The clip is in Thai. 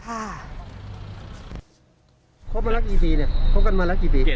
ครบมาแล้วกี่ปีเนี่ยคบกันมาแล้วกี่ปี